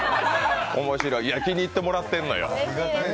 面白い、いや、気に入ってもらってんのよ。